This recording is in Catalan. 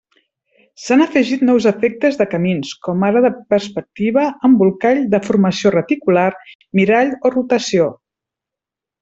S'han afegit nous efectes de camins, com ara de perspectiva, embolcall, deformació reticular, mirall o rotació.